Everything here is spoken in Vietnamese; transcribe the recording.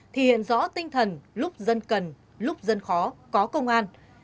thì hiện rõ tinh thần lúc dân cần lúc dân khó có công an